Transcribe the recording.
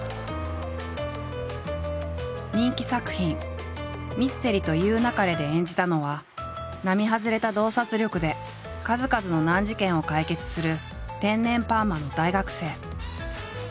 人気作品「ミステリと言う勿れ」で演じたのは並外れた洞察力で数々の難事件を解決する天然パーマの大学生。